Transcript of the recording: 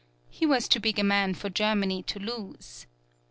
He was too big a man for Germany to lose.